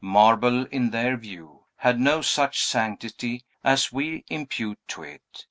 Marble, in their view, had no such sanctity as we impute to it.